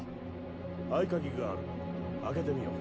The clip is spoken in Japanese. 合鍵がある開けてみよう。